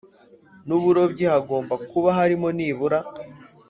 n uburobyi Hagomba kuba harimo nibura